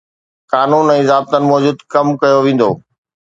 قانون ۽ ضابطن موجب ڪم ڪيو ويندو.